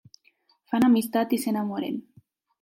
Fan amistat i s'enamoren.